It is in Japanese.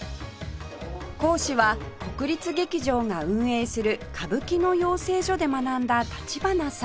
講師は国立劇場が運営する歌舞伎の養成所で学んだ立花さん